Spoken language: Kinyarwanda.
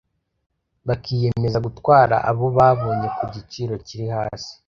bakiyemeza gutwara abo babonye ku giciro kiri hasi.